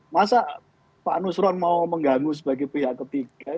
masa pak nusron mau mengganggu sebagai pihak ketiga